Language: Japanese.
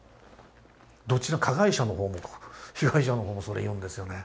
どっちの加害者の方も被害者の方もそれ言うんですよね。